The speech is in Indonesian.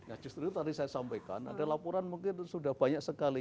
nah justru tadi saya sampaikan ada laporan mungkin sudah banyak sekali